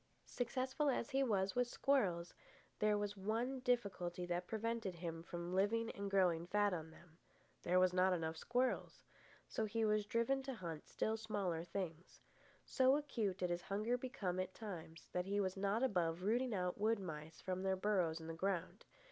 Successful as he was with squirrels, there was one difficulty that prevented him from living and growing fat on them. There were not enough squirrels. So he was driven to hunt still smaller things. So acute did his hunger become at times that he was not above rooting out wood mice from their burrows in the ground.